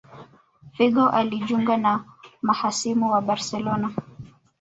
Figo alijunga na mahasimu wa Barcelona